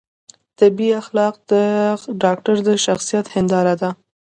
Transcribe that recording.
طبي اخلاق د ډاکتر د شخصیت هنداره ده